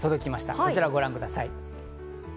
こちらをご覧ください。